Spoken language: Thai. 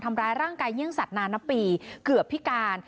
ทำร้ายร่างกายเยี่ยงสัตวนานนับปีเกือบพิการ